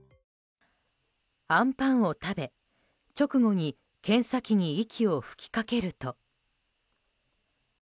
あんパンを食べ、直後に検査器に息を吹きかけると。